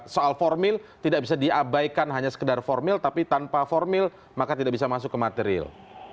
soal formil tidak bisa diabaikan hanya sekedar formil tapi tanpa formil maka tidak bisa masuk ke material